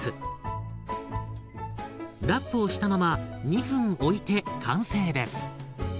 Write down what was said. ラップをしたまま２分おいて完成です。